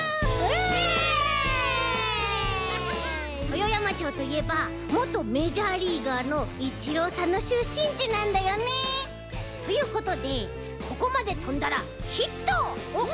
豊山町といえばもとメジャーリーガーのイチローさんのしゅっしんちなんだよね。ということでここまでとんだらヒット！